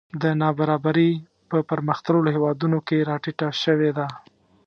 دا نابرابري په پرمختللو هېوادونو کې راټیټه شوې ده